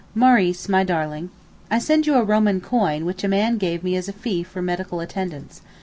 MAURICE MY DARLING, I send you a Roman coin which a man gave me as a fee for medical attendance.